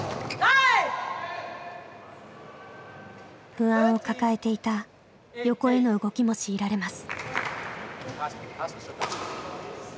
不安を抱えていた横への動きも強いられます。